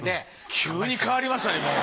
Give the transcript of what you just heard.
急に変わりましたね。